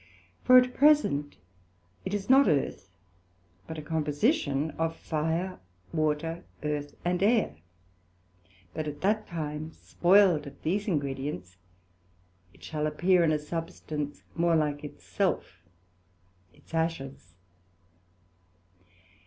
For at present it is not earth, but a composition of fire, water, earth, and air; but at that time, spoiled of these ingredients, it shall appear in a substance more like it self, its ashes.